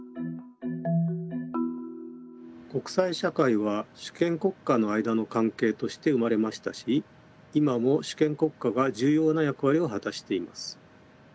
国際社会は主権国家の間の関係として生まれましたし今も主権国家が重要な役割を果たしています。